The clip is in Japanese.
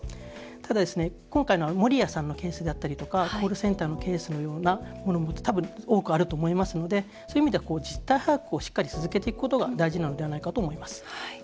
ただ、今回のモリヤさんのケースであったりとかコールセンターのケースのようなものも多分、多くあると思いますのでそういう意味では実態把握をしっかり続けていくことが大事なのではないかと思います。